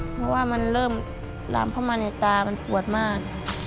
เพราะว่ามันเริ่มหลามเข้ามาในตามันปวดมาก